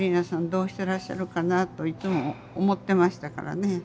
どうしてらっしゃるかなといつも思ってましたからね。